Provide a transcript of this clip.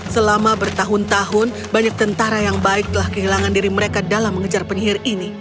selama bertahun tahun banyak tentara yang baik telah kehilangan diri mereka dalam mengejar penyihir ini